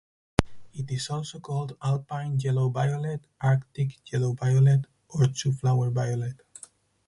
It is also called alpine yellow-violet, arctic yellow violet, or twoflower violet.